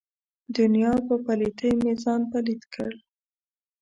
دنیا په پلیتۍ مې ځان پلیت کړ.